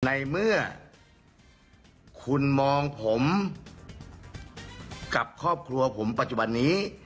ในเมื่อคุณมองผมกับครอบครัวผมปัจจุบันนี้